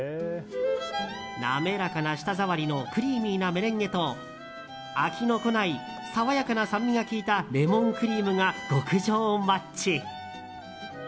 滑らかな舌触りのクリーミーなメレンゲと飽きの来ない爽やかな酸味が効いたレモンクリームが極上マッチ。